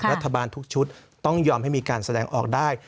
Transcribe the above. รัฐบาลทุกชุดต้องยอมให้มีการแสดงออกได้